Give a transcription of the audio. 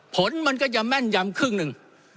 ผลมันก็จะแม่นยำครึ่งหนึ่ง